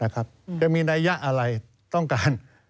จะมีนัยยะอะไรต้องการ